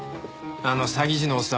あの詐欺師のおっさん